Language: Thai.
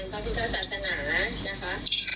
กลับขอเพิ่มวงการพระพิทธศาสนานะฮะ